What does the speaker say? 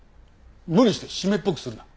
無理して湿っぽくするな。